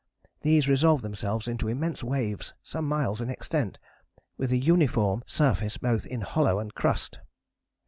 These resolved themselves into immense waves some miles in extent, with a uniform surface both in hollow and crust.